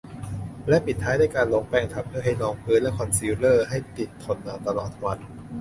และปิดท้ายด้วยการลงแป้งทับเพื่อให้รองพื้น และคอนซีลเลอร์ ให้ติดทนนานตลอดวัน